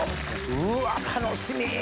うわ楽しみ！